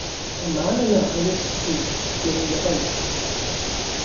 A man in a irish suit playing the pipes.